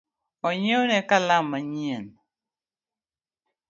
Onyiewne kalam manyien